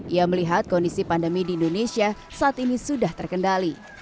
ia melihat kondisi pandemi di indonesia saat ini sudah terkendali